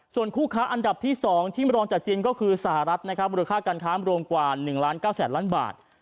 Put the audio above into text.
ส่วนคู่ค้าอันดับที่๒ที่รองจากจีนก็คือสหรัฐนะครับมูลค่าการค้ารวมกว่า๑ล้าน๙แสนล้านบาท